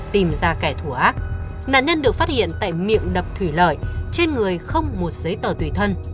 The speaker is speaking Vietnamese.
tìm ra kẻ thù ác nạn nhân được phát hiện tại miệng đập thủy lợi trên người không một giấy tờ tùy thân